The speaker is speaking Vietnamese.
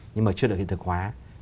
nhưng mà chưa được hiện thực hóa